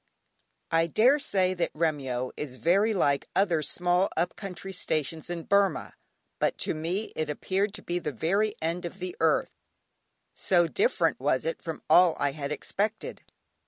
(Gray.) I daresay that Remyo is very like other small up country stations in Burmah, but to me it appeared to be the very end of the earth, so different was it from all I had expected.